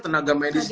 tenaga medis di